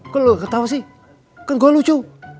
kok lu ketawa sih kan gua lucu